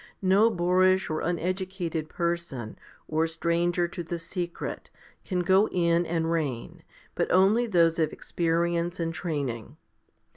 No boorish or uneducated person, or stranger to the secret, can go in and reign, but only those of experience and training.